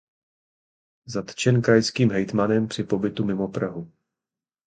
Zatčen krajským hejtmanem při pobytu mimo Prahu.